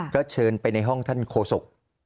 ก็เชิญไปในห้องท่านโคศก